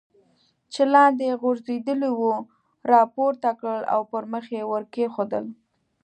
چې لاندې غورځېدلې وه را پورته کړل او پر مخ یې ور کېښودل.